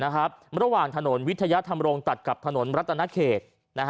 ระหว่างถนนวิทยาธรรมรงค์ตัดกับถนนรัฐนาเขต